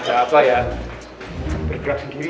apa ya bergerak sendiri